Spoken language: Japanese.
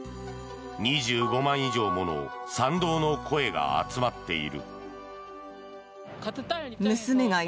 ２５万以上もの賛同の声が集まっている。